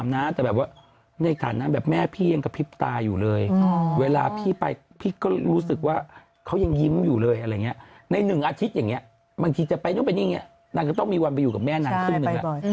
ใน๑อาทิตย์อย่างนี้บางทีจะไปนู่นไปนี่นางจะต้องมีวันไปอยู่กับแม่นางครึ่งหนึ่ง